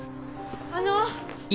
あの！